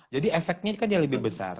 jadi efeknya kan jauh lebih besar